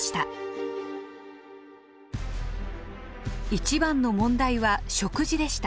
一番の問題は食事でした。